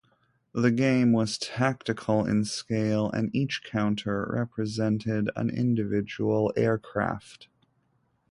The game was tactical in scale and each counter represented an individual aircraft.